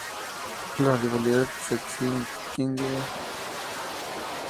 La rivalidad se extiende a todas las categorías.